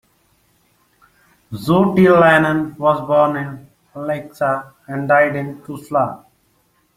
Juutilainen was born in Lieksa, and died in Tuusula.